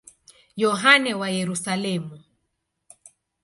Yohane wa Yerusalemu.